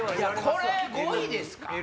これ５位ですか？